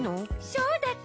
そうだった！